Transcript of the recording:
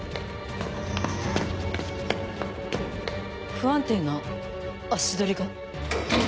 不安定な足取りが。